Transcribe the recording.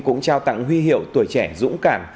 cũng trao tặng huy hiệu tuổi trẻ dũng cảm